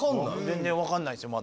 全然分かんないですまだ。